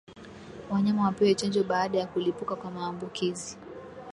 Wanyama wapewe chanjo baada ya kulipuka kwa maambukizi